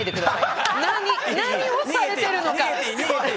何をされてるのか。